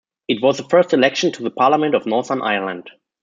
It was the first election to the Parliament of Northern Ireland.